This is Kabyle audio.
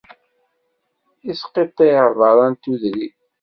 Isqiṭṭiɛ berra n tudrin.